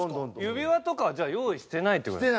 指輪とかはじゃあ用意してないって事ですか？